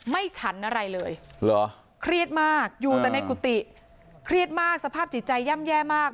ฉันอะไรเลยเหรอเครียดมากอยู่แต่ในกุฏิเครียดมากสภาพจิตใจย่ำแย่มาก